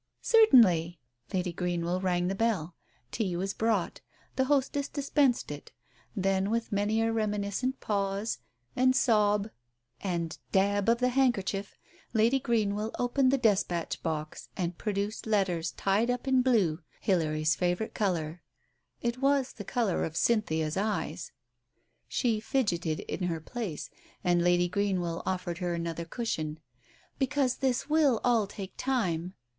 "Certainly!" Lady Greenwell rang the bell. Tea was brought. The hostess dispensed it. Then, with many a reminiscent pause, and sob and dab of the hand Digitized by Google THE MEMOIR 89 kerchief, Lady Greenwell opened the despatch box, and produced letters tied up in blue, Hilary's favourite colour. It was the colour of Cynthia's eyes. She fidgeted in her place, and Lady Greenwell offered her another cushion — "because this will all take time."